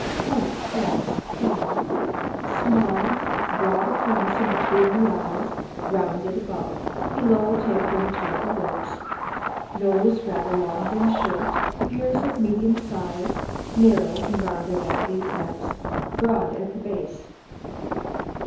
POINTS HEAD 10 Small, broad across and between the eyes, rounded above, below tapering towards the lips, nose rather long than short, ears of medium size, narrow and rounded at apex, broad at the base.